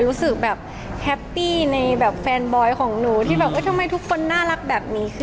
รู้สึกแบบแฮปปี้ในแบบแฟนบอยของหนูที่แบบทำไมทุกคนน่ารักแบบนี้ขึ้น